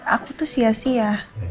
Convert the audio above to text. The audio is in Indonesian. aku tuh sia sia